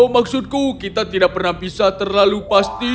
maksudku kita tidak pernah bisa terlalu pasti